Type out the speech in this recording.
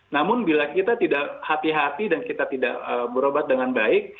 namun bila kita tidak hati hati dan kita tidak berobat dengan baik